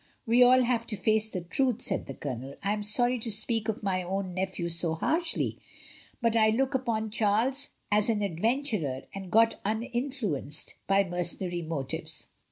"We all have to face the truth," said the Colonel. "I am sorry to speak of my own nephew so harshly, but I look upon Charles as an adventurer and not uninfluenced by mercenary motives.